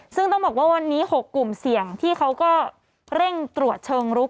ซึ่งต้องบอกว่าวันนี้๖กลุ่มเสี่ยงที่เขาก็เร่งตรวจเชิงรุก